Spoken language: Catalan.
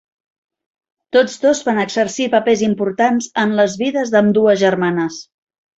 Tots dos van exercir papers importants en les vides d'ambdues germanes.